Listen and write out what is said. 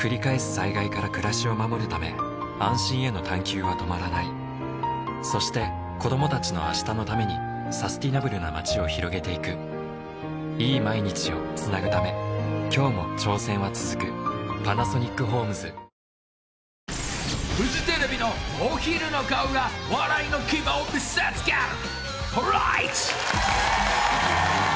災害から暮らしを守るため安心への探究は止まらないそして子供たちの明日のためにサスティナブルな街を拡げていくいい毎日をつなぐため今日も挑戦はつづくパナソニックホームズ［フジテレビのお昼の顔が笑いの牙を見せつける］